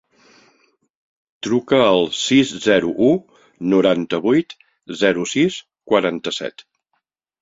Truca al sis, zero, u, noranta-vuit, zero, sis, quaranta-set.